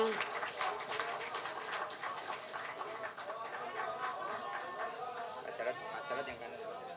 pak ceret yang kanan